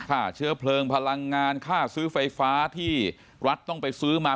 ค่าเชื้อเพลิงพลังงานค่าซื้อไฟฟ้าที่รัฐต้องไปซื้อมา